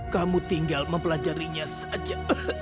kamu tinggal mempelajarinya saja